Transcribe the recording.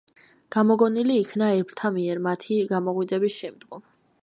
გამოგონილი იქნა ელფთა მიერ მათი გამოღვიძების შემდგომ.